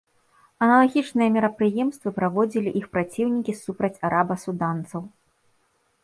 Аналагічныя мерапрыемствы праводзілі іх праціўнікі супраць араба-суданцаў.